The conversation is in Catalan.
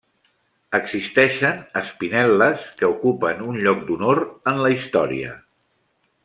Existeixen espinel·les que ocupen un lloc d'honor en la història.